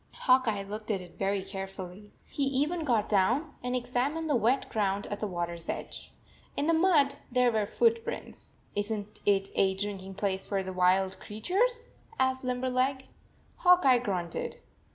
Hawk Eye looked at it very carefully. He even got down and examined the wet ground at the water s edge. In the mud there were foot prints. " Is n t it a drinking place for the wild creatures?" asked Limberleg. Hawk Eye grunted.